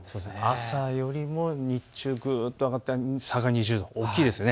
朝よりも日中ぐっと上がって差が２０度大きいですね。